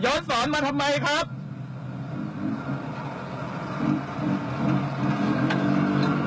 สอนมาทำไมครับ